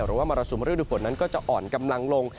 มรสุมฤดูฝนนั้นก็จะอ่อนกำลังลง